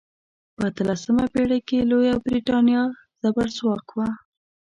په اتلسمه پیړۍ کې لویه بریتانیا زبرځواک وه.